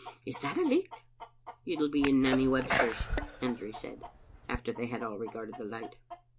Is that a licht?" "It'll be in Nanny Webster's," Hendry said, after they had all regarded the light.